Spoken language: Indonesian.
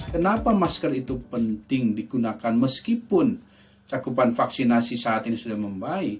kenapa masker itu penting digunakan meskipun cakupan vaksinasi saat ini sudah membaik